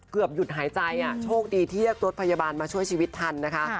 เกือบหยุดหายใจโชคดีที่เรียกรถพยาบาลมาช่วยชีวิตทันนะคะ